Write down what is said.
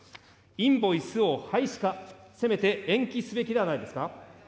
インボイスを廃止か、せめて延期すべきではないですか。